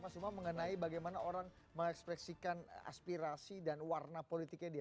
mas umam mengenai bagaimana orang mengekspresikan aspirasi dan warna politiknya dia